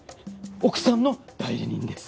奥さんの代理人です。